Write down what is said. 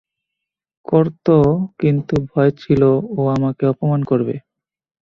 করত কিন্তু ভয় ছিল ও আমাকে অপমান করবে।